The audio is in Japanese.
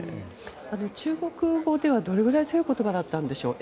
中国語ではどれくらい強い言葉だったんでしょう。